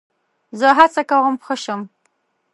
زه هڅه کوم ښه شم.